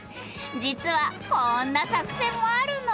実はこんな作戦もあるの！